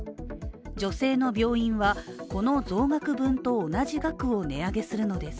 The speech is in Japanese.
女性の病院はこの増額分と同じ額を値上げするのです。